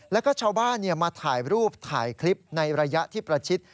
แล้วก็ชาวบ้านมาถ่ายรูปถ่ายคลิปในระยะที่ประชิด